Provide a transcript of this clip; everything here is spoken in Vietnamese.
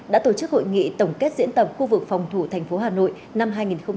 đã tổ chức hội nghị tổng kết diễn tập khu vực phòng thủ thành phố hà nội năm hai nghìn một mươi chín